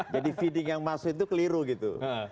jadi feeding yang masuk itu keliru gitu